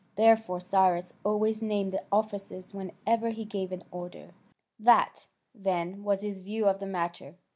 Therefore Cyrus always named the officers whenever he gave an order. That, then, was his view of the matter.